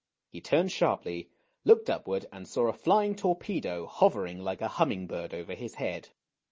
He turned sharply, looked upward and saw a flying torpedo hovering like a humming bird over his head.